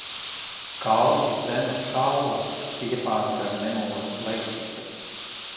Skalvju zeme Skalva stiepās gar Nemūnas lejteci.